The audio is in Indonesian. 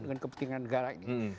dengan kepentingan negara ini